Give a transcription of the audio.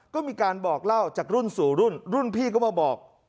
ก็มีการบอกเล่าจากรุ่นสู่รุ่นรุ่นพี่ก็มาบอก